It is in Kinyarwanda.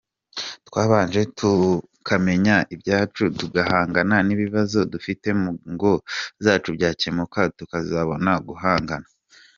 Twabanje tukamenya ibyacu tugahangana n’ibibazo dufite mu ngo zacu byakemuka tukazabona guhangana,….